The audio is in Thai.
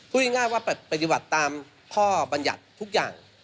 พูดง่ายว่าปฏิบัติตามข้อบรรยัติทุกอย่าง